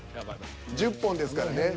１０本ですからね。